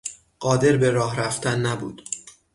قادر به راه رفتن نبود